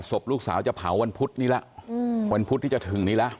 ศพลูกสาวจะเผาวันพุธนี้ละวันพุธที่จะถึงนี้แล้ว